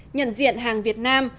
nhận diện hàng việt nam